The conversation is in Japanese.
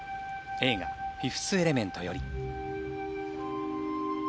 映画「フィフス・エレメント」より。